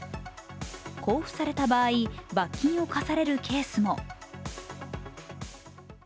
交付された場合罰金を科されるケースも。